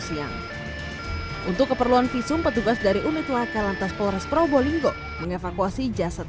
siang untuk keperluan visum petugas dari unit laka lantas polres probolinggo mengevakuasi jasad